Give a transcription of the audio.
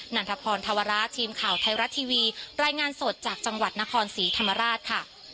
ันทพรธวระทีมข่าวไทยรัฐทีวีรายงานสดจากจังหวัดนครศรีธรรมราชค่ะ